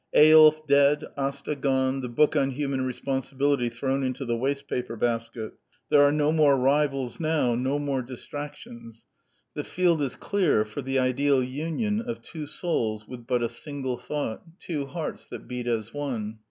Eyolf dead, Asta gone, the book on Human Re sponsibility thrown into the waste paper basket: there are no more rivals now, no more distrac 154 ^^c Quintessence of Ibsenism tions: the field is clear for the ideal union of '' two souls with but a single thought, two hearts that beat as one."